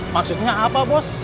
maksudnya apa bos